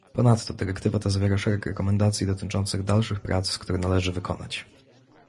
Ponadto dyrektywa ta zawiera szereg rekomendacji dotyczących dalszych prac, które należy wykonać